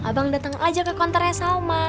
abang dateng aja ke konternya salma